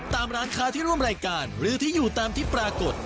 ตามร้านค้าที่ร่วมรายการหรือที่อยู่ตามที่ปรากฏ